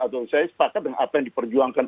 atau saya sepakat dengan apa yang diperjuangkan